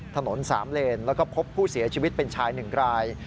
ถนน๓เลนแล้วก็พบผู้เสียชีวิตเป็นชาย๑ราย